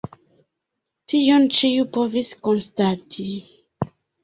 Tion ĉiu povis konstati.